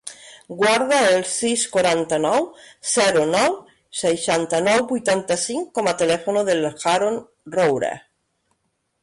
Guarda el sis, quaranta-nou, zero, nou, seixanta-nou, vuitanta-cinc com a telèfon de l'Haron Roura.